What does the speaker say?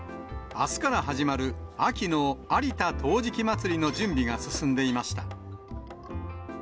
あすから始まる、秋の有田陶磁器まつりの準備が進んでいました。